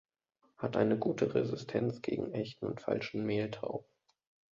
Hat eine gute Resistenz gegen Echten und Falschen Mehltau.